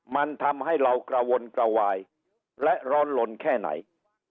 มันทำให้เรากระวนกระวายและร้อนลนแค่ไหน